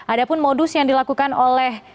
ada pun modus yang dilakukan oleh